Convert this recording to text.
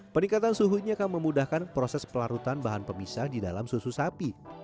peningkatan suhu ini akan memudahkan proses pelarutan bahan pemisah di dalam susu sapi